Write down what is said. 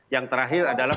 yang terakhir adalah